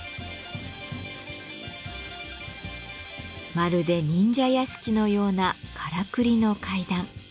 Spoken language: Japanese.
まるで忍者屋敷のようなからくりの階段。